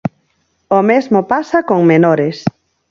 O mesmo pasa con menores.